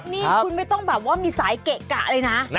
นี่คุณไม่ต้องแบบว่ามีสายเกะกะเลยนะ